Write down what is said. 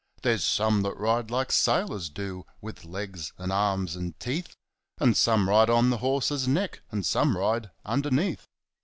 There's some that ride like sailors do, with legs and arms, and teeth; And some ride on the horse's neck, and some ride underneath.